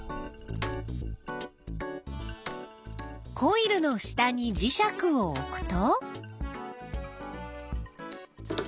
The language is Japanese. コイルの下に磁石を置くと。